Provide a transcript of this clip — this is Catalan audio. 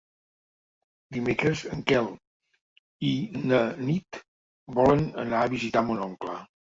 Dimecres en Quel i na Nit volen anar a visitar mon oncle.